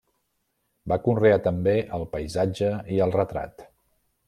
Va conrear també el paisatge i el retrat.